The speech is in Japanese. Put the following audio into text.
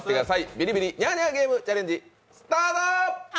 「ビリビリニャーニャーゲームチャレンジ」スタート！